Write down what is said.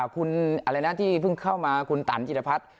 คุณอะไรนะที่เพิ่งเข้ามาคุณตันจิรพัฒน์